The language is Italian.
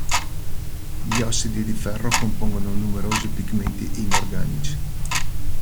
Gli ossidi di ferro compongono numerosi pigmenti inorganici.